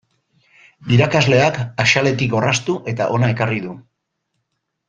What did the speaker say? Irakasleak axaletik orraztu eta hona ekarri du.